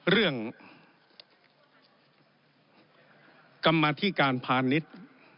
เรื่องกรรมธิการพาณิชย์